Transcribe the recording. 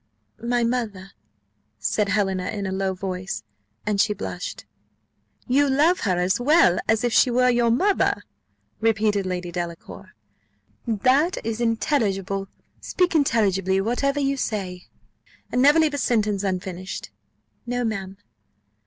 "My mother," said Helena, in a low voice, and she blushed. "You love her as well as if she were your mother," repeated Lady Delacour: "that is intelligible: speak intelligibly whatever you say, and never leave a sentence unfinished." "No, ma'am."